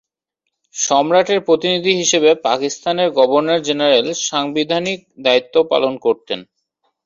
সম্রাটের প্রতিনিধি হিসেবে পাকিস্তানের গভর্নর জেনারেল সাংবিধানিক দায়িত্ব পালন করতেন।